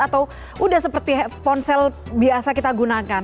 atau udah seperti ponsel biasa kita gunakan